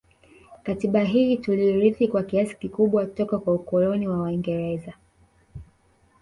Katiaba hii tuliirithi kwa kiasi kikubwa toka kwa ukoloni wa waingereza